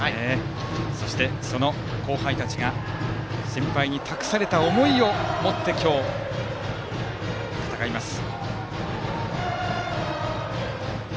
そして、その後輩たちが先輩に託された思いを持って今日、戦います。